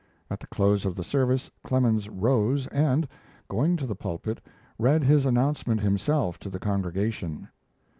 At the close of the service Clemens rose and, going to the pulpit, read his announcement himself to the congregation.